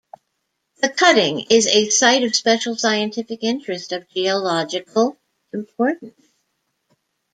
The cutting is a Site of Special Scientific Interest of geological importance.